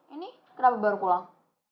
ini kenapa baru pulang